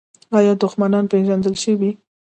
آیا دښمنان پیژندل شوي؟